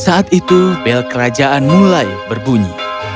saat itu bel kerajaan mulai berbunyi